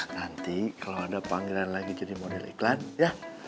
nanti kalau ada panggilan lagi jadi model iklan ya